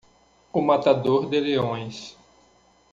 O matador de leões.